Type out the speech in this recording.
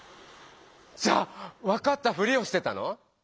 じゃあ分かったふりをしてたの？